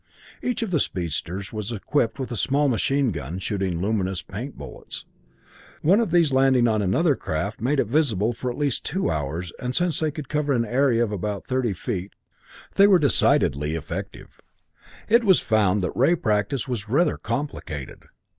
Each of the speedsters was equipped with a small machine gun shooting luminous paint bullets. One of these, landing on another craft, made it visible for at least two hours, and since they could cover an area of about thirty feet, they were decidedly effective. It was found that ray practice was rather complicated.